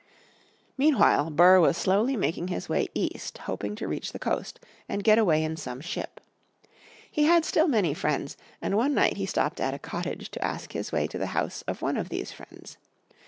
Meanwhile Burr was slowly making his way east hoping to reach the coast, and get away in some ship. He had still many friends, and one night he stopped at a cottage to ask his way to the house of one of these friends.